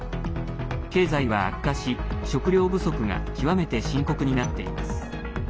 経済は悪化し、食料不足が極めて深刻になっています。